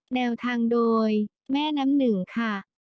แนวทางโดยแม่น้ำหนึ่งค่ะ